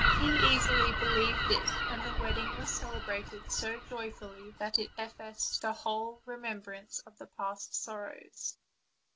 He easily believed it, and the wed ding was celebrated so joyfully that it effaced the remembrance of all the past sorrows.